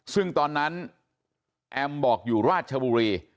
ซึ่งตอนนั้นแอมบอกอยู่ราชบุรี